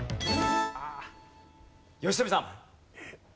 良純さん。